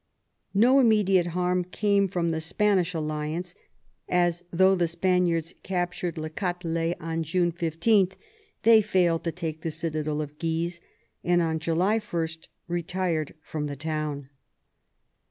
No immedi ate harm came from the Spanish alliance, as, though the Spaniards captured Le Catelet on June 15, they failed to take the citadel of Guise, and on July 1 retired from the town.